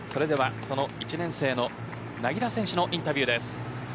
１年生の柳樂選手のインタビューです。